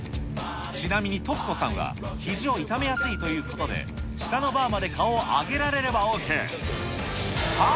ちなみに、とく子さんはひじを痛めやすいということで、下のバーまで顔を上げられればＯＫ。